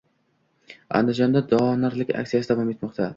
Andijonda donorlik aksiyasi davom etmoqda